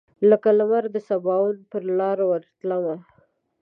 لکه لمر دسباوون پر لاروتلمه